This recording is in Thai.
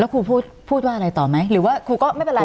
ครูพูดพูดว่าอะไรต่อไหมหรือว่าครูก็ไม่เป็นไร